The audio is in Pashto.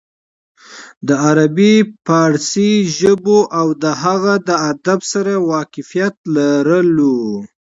د عربي فارسي ژبو او د هغې د ادب سره واقفيت لرلو